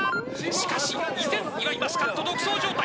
しかし、依然岩井マスカット、独走状態。